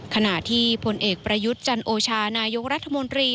ขณะที่ผลเอกประยุทธ์จันโอชานายกรัฐมนตรี